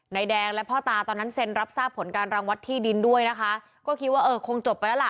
แดงและพ่อตาตอนนั้นเซ็นรับทราบผลการรังวัดที่ดินด้วยนะคะก็คิดว่าเออคงจบไปแล้วล่ะ